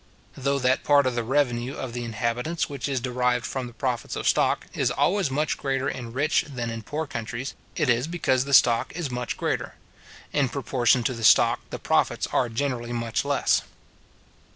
Though that part of the revenue of the inhabitants which is derived from the profits of stock, is always much greater in rich than in poor countries, it is because the stock is much greater; in proportion to the stock, the profits are generally much less.